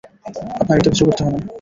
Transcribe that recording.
আপনার এতকিছু করতে হবে না।